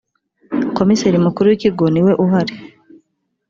komiseri mukuru w ‘ikigo niwe uhari.